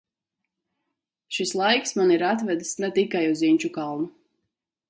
Šis laiks mani ir atvedis ne tikai uz Inčukalnu.